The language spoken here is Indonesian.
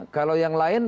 kalau yang lain